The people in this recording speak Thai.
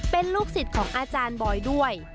เป็นลูกศิษย์ของอาจารย์บอยด้วย